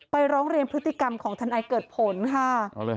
ร้องเรียนพฤติกรรมของทนายเกิดผลค่ะ